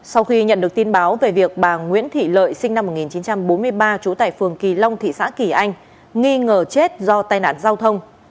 sau khi nhận được tin báo về việc bà nguyễn thị lợi sinh năm một nghìn chín trăm bốn mươi ba trú tại phường kỳ long thị xã kỳ anh nghi ngờ chết do tai nạn giao thông